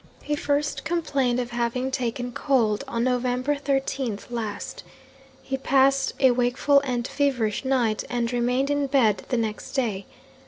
He first complained of having taken cold on November 13 last; he passed a wakeful and feverish night, and remained in bed the next day.